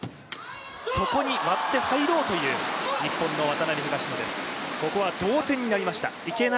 そこに割って入ろうという、日本の渡辺・東野です。